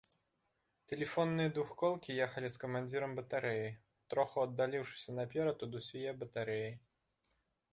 Тэлефонныя двухколкі ехалі з камандзірам батарэі, троху аддаліўшыся наперад ад усяе батарэі.